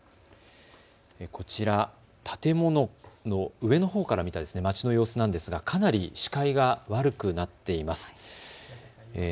こちら、建物の上のほうから見た街の様子なんですがかなり視界が悪くなっています。